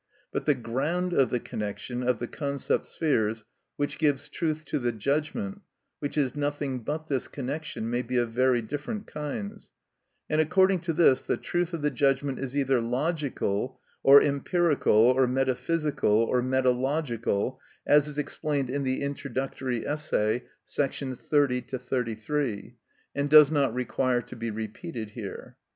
But the ground of the connection of the concept spheres which gives truth to the judgment, which is nothing but this connection, may be of very different kinds; and, according to this, the truth of the judgment is either logical, or empirical, or metaphysical, or metalogical, as is explained in the introductory essay, § 30 33, and does not require to be repeated here.